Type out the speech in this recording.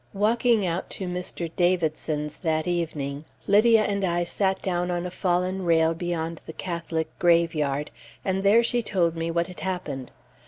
Walking out to Mr. Davidson's that evening, Lydia and I sat down on a fallen rail beyond the Catholic graveyard, and there she told me what had happened.